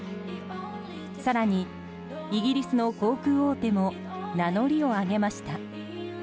更にイギリスの航空大手も名乗りを上げました。